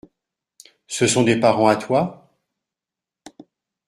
Ce sont des parents à toi ?